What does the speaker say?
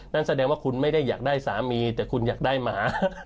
นั่นแสดงว่าคุณไม่ได้อยากได้สามีแต่คุณอยากได้หมา